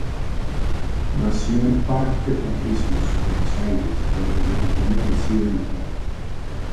Nació en Parque Patricios, Buenos Aires, pero desde pequeño reside en La Plata.